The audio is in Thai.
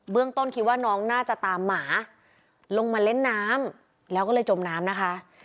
ต้นคิดว่าน้องน่าจะตามหมาลงมาเล่นน้ำแล้วก็เลยจมน้ำนะคะ